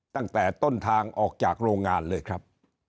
ตั้งแต่ต้นทางออกจากโรงงานเลยครับ